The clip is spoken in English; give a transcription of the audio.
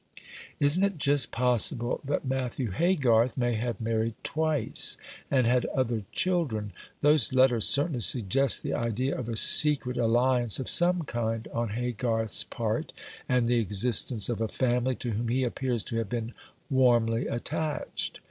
"Isn't it just possible that Matthew Haygarth may have married twice, and had other children? Those letters certainly suggest the idea of a secret alliance of some kind on Haygarth's part, and the existence of a family, to whom he appears to have been warmly attached.